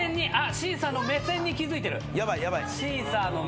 シーサーの目線に気付いてる。